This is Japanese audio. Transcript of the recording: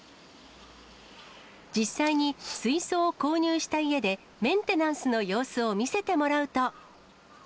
実際に水槽を購入した家で、メンテナンスの様子を見せてもらうと。